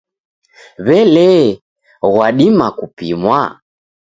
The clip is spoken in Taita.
W'elee, ghadima kupimwa?